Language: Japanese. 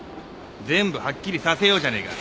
全部はっきりさせようじゃねえか。